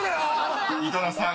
［井戸田さん